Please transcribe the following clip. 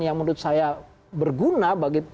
yang menurut saya berguna bagi